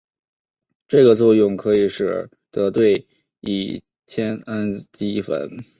这个作用可以使得对乙酰氨基酚。